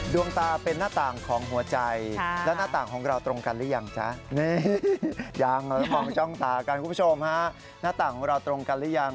ดวงตาเป็นหน้าต่างของหัวใจแล้วหน้าต่างของเราตรงกันหรือยังคุณผู้ชมหน้าต่างของเราตรงกันหรือยัง